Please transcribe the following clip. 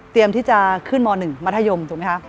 เตรียมที่จะขึ้นม๑มยถูกไหมคะ